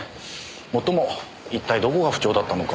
もっとも一体どこが不調だったのか